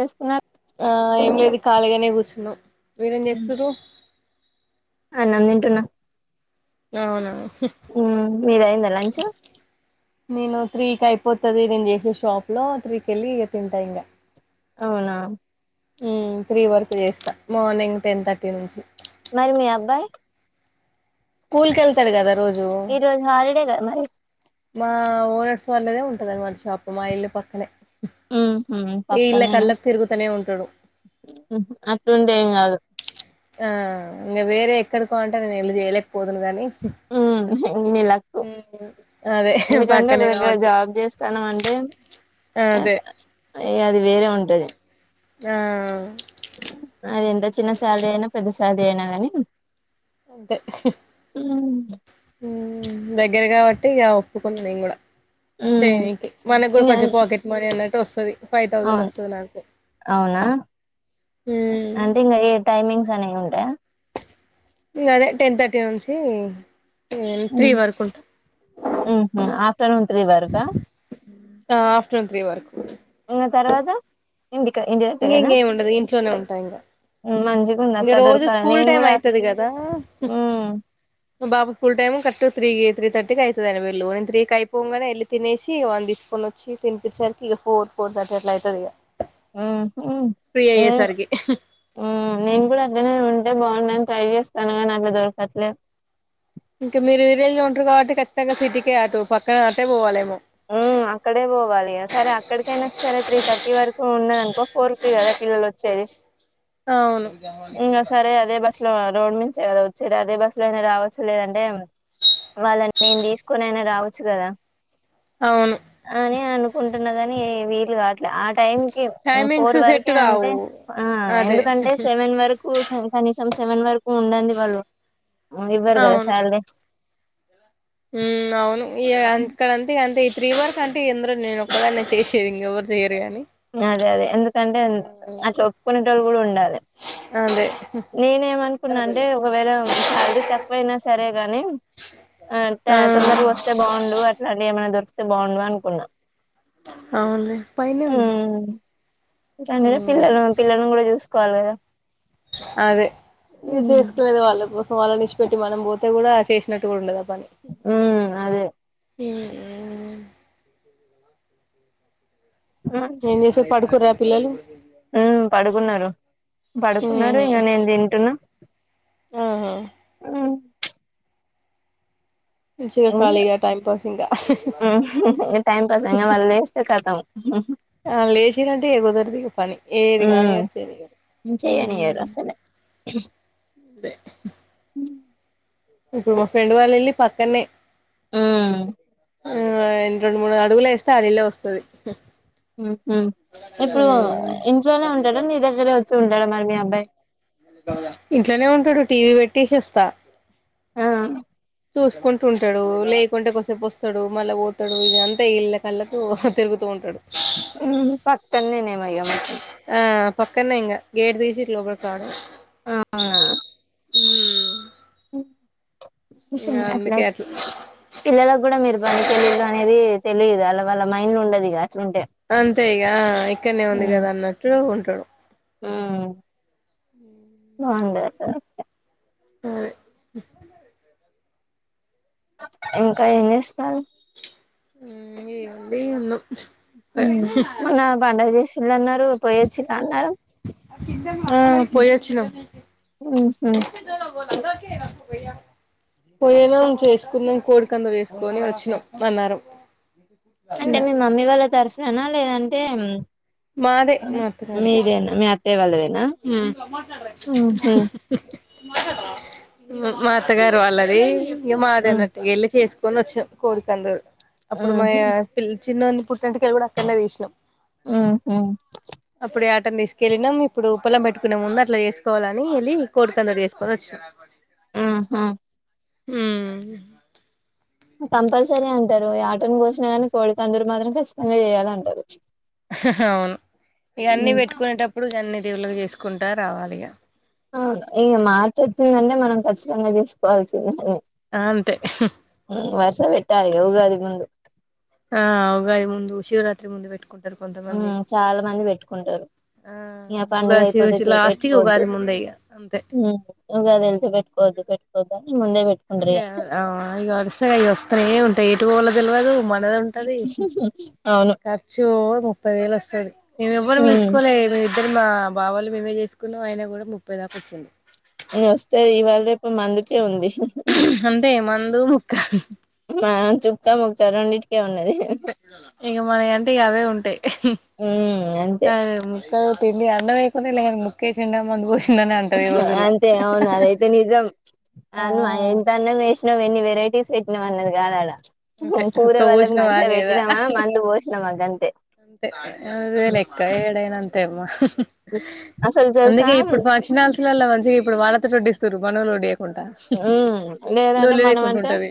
వస్తున్నా ఆ ఏం లేదు ఖాళీగానే కూర్చున మీరేం చేస్తారు అన్నం తింటున అవున ఉమ్ మిది అయిందా లంచ్ నేను త్రీకి అయిపోతుది నేను చేసే షాప్ లో త్రీకి వెళ్ళి ఇక తింటాను ఇంక అవునా త్రీ వరకు చేస్తా మార్నింగ్ టెన్ థర్టీ నుంచి మరి మీ అబ్బాయి స్కూల్ కెళ్తడు కదా రోజు ఈ రోజు హాలిడే గదా మరి. మా ఓనర్స్ వాళ్ళదే ఉంటదండి వాళ్ళ షాప్ మా ఇల్లు పక్కనే. పక్కనేనా ఇళ్ళకళ్ళకు తిరుగుతనే ఉం అట్లుంటే ఏం కాదు ఆ ఇంగా వేరే ఎక్కడికో అంటే నేను వెళ్ళి చేయలేకపోతుదు కాని. మీ లక్కు హ్మ్ అదే ఎందుకంటే ఒక పక్కనే దగ్గర కాబట్టి. జాబ్ చేస్తానం అ అదే యే అది వేరే ఉంటది. ఆ అది ఎంత చిన్న శాలరీ అయినా పెద్ద సాలరీ అయినా కానీ అంతే హ్మ్ దగ్గర కాబట్టి ఇగ ఒప్పుకున్నా నేను కూడా. చేయనికి మనకు కూడా కొంచెం ఇంకా పాకెట్ మనీ అన్నట్టు వస్ అవును అవునా అంటే ఇంగా ఏ టైమింగ్స్ అనేయి ఉంటయా. ఇగా అదే టెన్ థర్టీ నుంచి [inaudible] త్రీ వరకు ఉంటది. మధ్యాహ్నం త్రీ వరకా. ఆ ఆఫ్టర్నూన్ త్రీ వరకు. ఇంకా తర్వాత ఇంటికి ఇంటి ఇంగ దగ్గరేనా ఇంగేమి ఉండదు ఇంట్లోనే ఉంటా ఇంగా. హ్మ్. మంచిగుంది ఇంగా అక్క రోజు దొరకాల స్కూల్ నేను టైమ్ కూడా అయితది కదా. హ్మ్ బాబు ఫుల్ టైమ్ కరక్ట్ త్రీకి త్రీ ర్టీకి అయితది ఆయన బెల్లు. నేను త్రీకి అయిపోంగనే ఎళ్లి తినేసి వాన్ని తీస్ కొని వచ్చి తినిపిచ్చే సరికి ఇగ ఫోర్ ఫోర్ థర్టీ అట్లా అయితది ఇగా. హుహ్ నేను హ్ నేను కూడా [inaudible] ఉంటే బాగుండని ట్రై చేస్తాన కానీ అట్లా దొరకట్లేదు. ఇంకా మీరు విలేజ్ల ఉంటరు కాబట్టి ఖచ్చితంగా సిటీకే అటు పక్కన ఆటే పోవాలేమో. హ్ అక్కడే పోవాలి ఇగా సరే అక్కడికైనా సరే త్రీ థర్టీ వరకు ఉన్నదనుకో ఫోర్ కి కదా పిల్లలు వచ్చేది అవును ఇంగా సరే అదే బస్ లో రోడ్ మీద నుంచే కదా వచ్చేది అదే బస్సు లో అయినా రావచ్చు లేదంటే వాళ్ళని నేను తీసుకొనైనా రావచ్చు కదా. అవును. అని అనుకుంటున్నా కాని వీలు కాట్లే ఆ టైం కి టైమింగ్స్ ఫోర్ సెట్ వరకే అంటే కావు ఆ ఆ అదే ఎందుకంటే సెవెన్ వరకు [inaudible] కనీసం స్కూ సేవన్ వరకు ఉండన్ది వాళ్ళు ఇవ్వరు కదా సాలరీ. హ్మ్ అవును ఇగా ఇక్కడా అంతే ఇగా అంతే త్రీఅర్స్ అంటే ఇందులో నేను ఒక్కదాన్నే చేసేది ఇంగా ఎవరు చేయరు. గాని అదే అదే ఎందుకంటే అట్లా వొప్పుకునేటోళ్ళు కూడా ఉండాలె. అంతే నేనేమనుకున్నా అంటే ఒకవేళ సాలరీ తక్కువ అయినా సరే కాని ఆ తొందరగా వస్తే బావుండు అట్లాంటివి ఏమైనా దొరికితే బావుండు అనుకున్నా. అవునులే పైనే ఉంది హ్మ్ దాని ఉమ్ పిల్లలు పిల్లలను కూడా చూస్ కోవాలి కదా. అదే ఇగా చేసుకునేది వాళ్ళ కోసం వాళ్ళ నిడిచిపెట్టి మనం పోతే కూడా చేసినట్టు కూడా ఉండదు ఆ పని ఉమ్ అదే హ్ హు ఏం చేసిర్రు పడుకుర్రా పిల్లలు. ఉ పడుకున్నరు పడుకున్నరు ఉహు ఇంగా నేను తింటున్నా. ఆహా మంచిగా ఇంగ ఖాళీగా టైంపాస్ ఇంగా. టైం పాస్ ఇంగా వాళ్ళు లేస్తే కతం. ఆల్లు లేచిన్రంటే ఇగా కుదరదు ఇగా పని ఏది కానియరు చేయనియరు. చెయ్యనియరు అసలే. అదే ఇప్పుడు మా ఫ్రెండ్ వాళ్ళు వెళ్ళి పక్కనే ఉమ్ ఆ రెండు మూడు అడుగులే వేస్తే ఆ నల్ళ వస్తుది ఇప్పుడు ఇంట్లోనే ఉంటాడా నీ దగ్గరే వచ్చి ఉంటాడా మరి మీ అబ్బాయి ఇంట్లోనే ఉంటాడు టీవీ పెట్టిసిస్తా ఆ చూసుకుంటూ ఉంటడు లేకుంటే కాసేపు వస్తాడు మళ్ళా పోతాడు ఇది అంతా ఇళ్ళ కళ్ళతో తిరుగుతూ ఉంటాడు పక్తన్నేనే మొ ఇగ మొత్తం ఆ పక్కనే ఇంగా గేట్ తీసి ఇట్ లోపలికి రావడమే ఆ హమ్ ఉ అట్లా పిల్లలకు గూడా మీరు పనికిళ్ళిళ్ళు అనేది తెలిదా వాళ్ళ మైండ్ ఉండదిగానీ అంతే ఇగా ఇక్కడనే ఉంది ఉమ్ కదా అన్నట్టు ఉంటాడు ఉమ్ బాగుండదు హా ఇంకా ఏం చేస్తన్నారు ఇది మన పండగ చేసిల్లు అన్నారు పోయొచ్చిల్ల అన్నారు ఆ పోయచ్చినం ఊహూ పో చ భయ పోయినాం చేసుకున్నాం కోడికందూరు చేసుకని వచ్చినాం మన్నారం అంటే మీ మమ్మీ వాళ్ళ తరఫునా లేదంటే మాదే ఆహ్, మాత్త గారిది మీదేనా మీ అత్తయ్య వాళ్ళదేనా ఊహూ మా అత్తగారు వాళ్ళది ఇగ మాది హ్మ్ అన్నట్టుగా వెళ్ళి చేసు కొని వచ్చినాం కోడికందూరు అప్పుడు మా ఊహూ పిల్ చిన్నంది పుట్టేంటికలు కూడా అక్కడనే తీసినాం ఆ హ పట్టం తీసుకెళ్ళాం ఇప్పుడు ఉప్పలం పెట్టుకునే ముందు అట్లా చేసుకోవాలని వెళ్ళి కోడికందూరూ చేసుకొని వచ్చాం ఆహా హమ్ కంపల్సరీ అంటరు యాటను కోసిన కానీ కోడికందూరు మాత్రం ఖచ్చితంగా చేయాలంటారు అవును ఇవన్ని హ్మ్ పెట్టుకునేటప్పుడు ఇ అన్ని దేవుళకి చేసుకుంటారు రావాలి ఇక ఇంక మార్చ్ వచ్చిందంటే మనం ఖచ్చితంగా చేసుకోవాల్సిందని ఆ అంతే వరుస పెట్టారు ఇగ ఉగాది ముందు ఆ ఉగాడి ముందు శివరాత్రి ముందు పెట్టుకు చాలా మంది పెట్టుకుంటరు ఆ ఇంకా పండుగ ఉగాది శివ అయిపోతే చేప లాస్ట్ కి పెట్టుకోవద్దు ఉగాది ముందే ఇగ అంతే ఉగాది వెళ్తే పెట్టుకోవద్దు పెట్టుకో ఇ ఇ వరుసగా అవి వస్తానే ఏ ఉంటాయి ఎటు పోవాల్నో తెలియదు మ శశ స ఖర్చు ముప్పై వేలు వస్తది మేము ఎవ్వరు హ్మ్ నిలుచుకోలేరు ఇద్దరు మా బావాళ్ళు మేమే చేసుకున్నాం ఆయిన కూడా ముప్పై దాకా వచ్చింది వస్తే ఇవాళ రేపు మందుకే ఉంది సే మందు ముక్క మ చుక్కముక్క రెండింటికే ఉంటయి ఇక మనయి అంటే అవే ఉంటాయి హ్మ్ అంతే అదే ఇంకా తిండి అన్నం వేయకున్న ఇలా క ముక్కేసిండు మందు పోసి అంతే అవును అదైతే నిజం ఆ అయమ్మ ఇంత అన్న మేసి నువ్వు ఎన్ని వెరైటీస్ పెట్నావు ని జానల అంతే పూరే సుక్క వాళ్ళకి పోసినవా మంచిగా లేదా పెట్టినామ మందు పోసినామా గంతే అదే హ్మ్. లెక్క ఏడేన అంతే ఇంగ అసలు తెలుసా అందుకే ఇప్పుడు ఫంక్షన్ హల్స్ లల్లో మంచిగా ఇప్పుడు వాళ్ళతోటే వడ్డిస్తారు మనొల్లు ఒడ్డియరు మ్మ్ లేదన్నా మనం లేకుండా అంత ఉంటది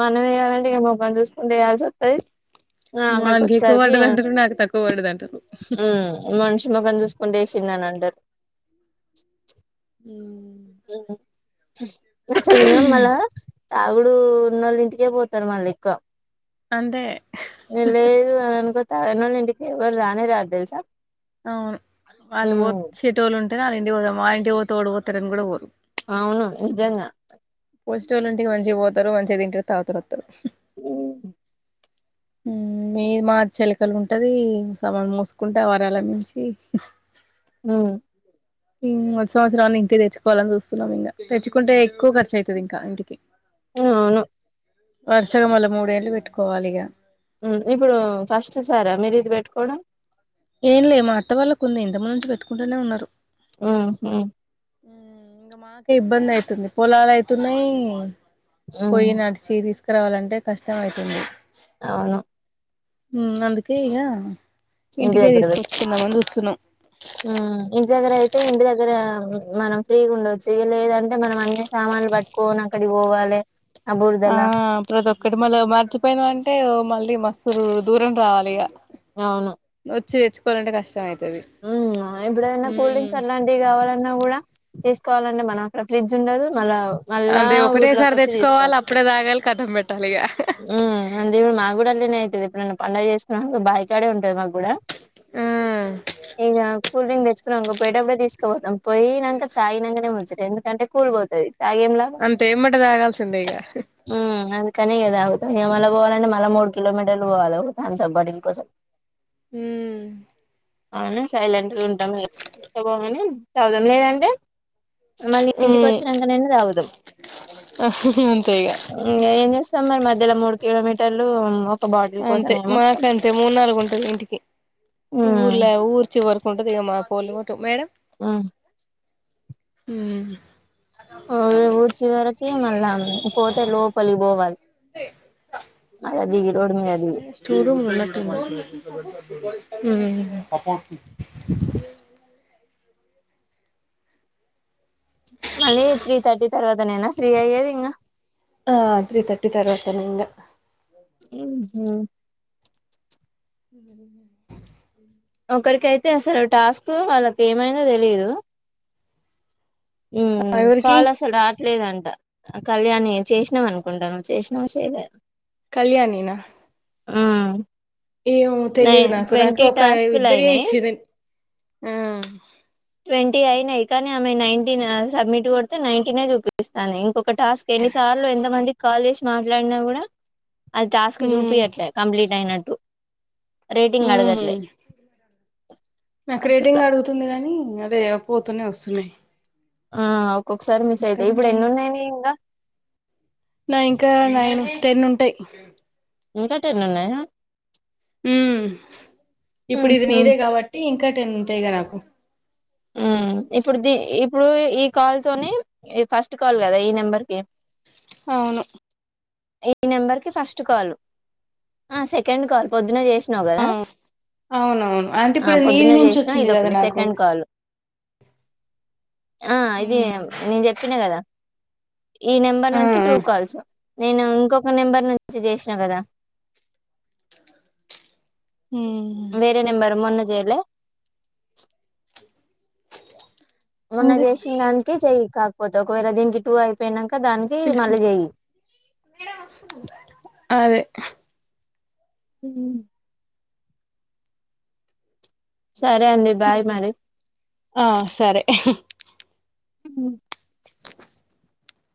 మనం యాడికిపోతాం ఇక మొబై [unintelligible] ని చూసుకుంటే వయాల్సి వస్తుంది ఆ అక్కడికి వానికి ఎక్కువ వచ్చరికి పడ్డది అంటారు నాకు తక్కువ పడ్డది అంటారు మనిషి ముఖం చూసుకుంటే తినానండి నువ్వు చదివినవా మళ్ళా తాగుడు ఉన్నోళ్ళ ఇంటికే పోతారు మళ్ళ ఎక్కువ అంతే ఇడ లేదు అనిచెప్ తాగినోళ్ళ ఇంటికి ఎవరు రానే రారు తెలుసా అవును వాళ్ళు ఉమ్ వొచ్చేటోళ్ళు ఉంటేనే వాళ్ళ ఇంటికి పోదాం వారి ఇంటికి పోతే వొడు పోతారని కూడా పోరు అవును నిజంగా పోసే వాళ్ళంటికి మంచిగా పోతారు మంచిగా తింటారు తాగుతారు వత్తారు వొను ఆ మీ మా చెలికలు ఉంటది సమాన మూసుకుంటావ [unintelligible] ర అలా మించి ఉమ్, మూడు సంవత్సరాల నుంచి తెచ్చుకోవాలని చూస్తున్నాం ఇంకా తెచ్చుకుంటే ఎక్కువ ఖర్చు అవుతాది ఇంకా ఇంటికి అవునవును వరుసగా మళ్ళా మూడేళ్ళు పెట్టుకోవాలి ఇగ ఇప్పుడు ఫస్ట్ సారా మీరు ఇది పెట్టుకోవడం ఏం లే మా అత్త వాళ్ళ కున్నె ఇంతముందు నుంచి పెట్టుకుంటూనే ఉన్నారు ఉహు ఇంకా మాకే ఇబ్బంది అయితుంది పొలాలు అయితున్నాయి పోయి నడిచి తీసుకురావాలంటే కష్టం అవుతుంది అవును మ్మ్ అందుకే ఇక ఇంటి ఇంటికే దగ్గర పెట్ తీసుకొచ్చుకుందామని చూస్తున్నాం ఇంటి దగ్గర అయితే ఇంటి దగ్గర మనం ఫ్రీగా ఉండవచ్చు ఇగ లేదంటే మనం అన్ని సామా లు పట్టుకోని అక్కడికి పోవాలే ఆ ప్రతి ఒక్కటి మళ్ళా మర్చిపోయినా అంటే మళ్ళీ మస్తు దూరం రావాలి ఇగ అవును చేయిచ్చుకొలంటే కష్టం అయితది ఎప్పుడైన కూల్ ఉమ్ డ్రింక్స్అలాంటివి కావాలన్నా కూడా చుస్త్ కావాలన్న మనకు ఫ్రిడ్జ్ ఉండదు మళ్ళా అదే ఊర్లోకి ఒకటేసారి వచ్చి తెచ్చుకోవాలి తీసుకోవాలి అప్పుడే తాగాలి కథం పెట్టాలి ఇగ మాకు కూడా అట్లానే అయితాది ఎప్పుడన్న పండగ చేసుకొని బాయికాడే ఉంటది మాకు కూడా మ్మ్ ఇంకా కూల్ డ్రింక్ తెచ్చుకుని పోయటప్పుడే తీసుకుపోతాం పోయినాంక తాగినాంకనే ముచ్చట ఎందుకంటే కూల్ పోతాయి తాగి ఏం లాభం అంతే ఎమ్మటే తాగాల్సిందే ఇగ కానీ ఇంకా తాగుతా మళ్ళ పోవాలంటే మళ్ళా మూడు కిలోమీటర్లు పోవాలి థామ్సప్ బాటిల్ కోసం మ్మ్ అవున సైలెంట్ గా ఉంటా చూమని చద [unintelligible] దం లేదంటడి మళ్ళీ ఇంటికి ఉమ్ వచ్చినాంక నాయిన తాగుదాం అంతే ఇగ ఇంకా ఏం చేస్తాం మరి మధ్యలో మూడు కిలోమీటర్లు ఇంగా అంతే మాక అంతే మూడు నాలుగు ఉంటది ఇంటికి ఊర్ల ఊరు మేడం మ్మ్ ఉను ఆమె ఊడ్చే వరకి మళ్ళా పోతే లోపలికి పోవాలి మళ్ళా దిగి రోడ్డు మీద దిగి స్టో రూమ్ లో ఉన్నట్టు ఉంది హూమ్ మళ్ళీ త్రీ థర్టీ తర్వాత నేనా ఫ్రీ అయ్యేది ఇంగ ఆ త్రీ థర్టీ తర్వాతనే ఇంగ ఊహూ చ్ ఒకరికైతే అసలు టాస్క్ వాళ్ళకి ఏమైందో తెలిదు ఊమ్ ఎవరికి కాల్ అసలు రాట్లేదంట కళ్యాణి చేసినాది అనుకుంట నువ్వు చేసినావో చేయలే కళ్యాణినా ఊమ్ ఏమో తెలీదు నాకు నాకు ఒక టాస్కులు ఇద్దరియ్యే అయినాయి ఇచ్చిర్రు ఆ ట్వంటీ అయినాయి కానీ ఆమె నైన్ నిన్న సబ్మిట్ కొడితే నైన్టీనే చూపిస్తంది. ఇంకొక టాస్క్ ఎన్ని సార్లు ఎంత మందికి కాల్ చేసి మాట్లాడ్ డినా గూడ అది టాస్క్ ఉమ్ చూపియట్లే కంప్లీట్ అయినట్టు ఊ రేటింగ్ అడగట్లే హుమ్. అట్లా ఇంగ అదే పోతున్నై వస్తున్నాయి ఆ ఒక్కొక్కసారి మిస్ అయితయి ఇప్పుడు ఎక్కడున్నాయి ఎన్ని ఉన్నాయి నియ్యి ఇంగా నాయి ఇంకా నైన్ టెన్ ఉంటయి. ఇంకా టెన్ ఉన్నయా? ఊమ్ ఇప్పుడు ఇది ఉహు నీదే కాబట్టి ఇంకా టెన్ ఉంటాయి ఇగ నాకు ఊమ్ ఇప్పుడు ది ఇప్పుడు ఈ కాల్ తోని ఈ ఫస్ట్ కాల్ గదా ఈ నెంబర్ కి అవును ఈ నెంబర్ కి ఫస్ట్ కాల్ ఆ సెకండ్ కాల్ పొద్దున చేస్ ఆ అవునవును అంటే ఆ ఇప్పుడు నీది పొద్దున నుంచి చేసినా వచ్చింది గద ఇదొకటి నాకు హు సెకండ్ కాల్ ఆ ఇది నేను చెప్పిన గదా ఈ నెంబర్ ఆ నుంచి ఆ టూ కాల్స్ నేను ఇంకొక నెంబర్ నుంచి చేసిన గదా ఉమ్ వేరే నెంబరు మొన్న చేయలే మొన్న అంజి చేసిన దానికి చెయ్యి కాకపోతే ఒకవేళ దీనికి టూ అయిపోయినాంక్ క దానికి మళ్ళీ పిలుసు చెయ్యి అదే హుమ్ సరే అండి బాయ్ మరి ఆ సరే ఉ